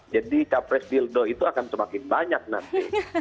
jadi capres bildo itu akan semakin banyak nanti